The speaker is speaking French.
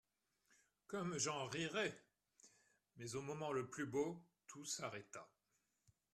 Comme j'en rirais !» Mais, au moment le plus beau, tout s'arrêta.